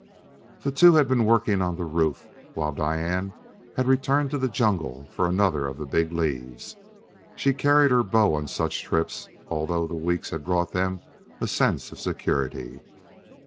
The two had been working on the roof, while Diane had returned to the jungle for another of the big leaves. She carried her bow on such trips, although the weeks had brought them a sense of security.